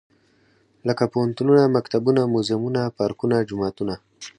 لکه پوهنتونه ، مکتبونه موزيمونه، پارکونه ، جوماتونه.